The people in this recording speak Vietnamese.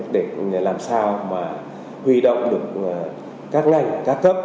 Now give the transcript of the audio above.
để làm sao mà huy động được các ngành các cấp